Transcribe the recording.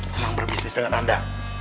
senang berbisnis dengan anda